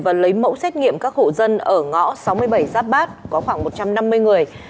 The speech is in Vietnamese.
và lấy mẫu xét nghiệm các hộ dân ở ngõ sáu mươi bảy giáp bát có khoảng một trăm năm mươi người